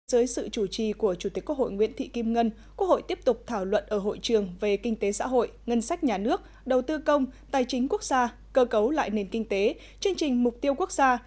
dưới sự chủ trì của chủ tịch quốc hội nguyễn thị kim ngân quốc hội tiếp tục thảo luận ở hội trường về kinh tế xã hội ngân sách nhà nước đầu tư công tài chính quốc gia cơ cấu lại nền kinh tế chương trình mục tiêu quốc gia